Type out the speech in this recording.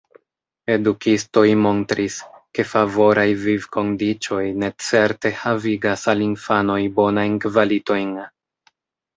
Edukistoj montris, ke favoraj vivkondiĉoj necerte havigas al infanoj bonajn kvalitojn.